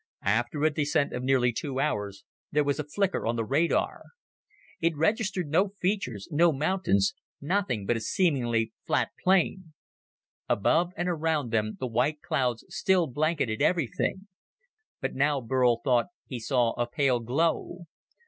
After a descent of nearly two hours, there was a flicker on the radar. It registered no features, no mountains, nothing but a seemingly flat plain. Above and around them the white clouds still blanketed everything. But now Burl thought he saw a pale glow.